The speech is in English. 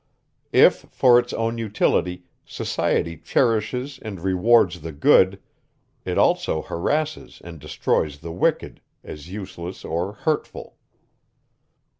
If, for its own utility, society cherishes and rewards the good, it also harasses and destroys the wicked, as useless or hurtful.